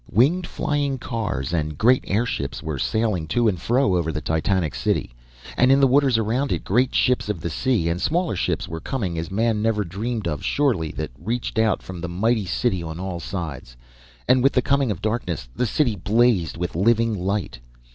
"Winged flying cars and great airships were sailing to and fro over the titanic city, and in the waters around it great ships of the sea and smaller ships were coming as man never dreamed of surely, that reached out from the mighty city on all sides. And with the coming of darkness, the city blazed with living light!